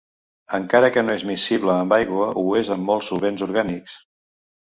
Encara que no és miscible amb aigua ho és amb molts solvents orgànics.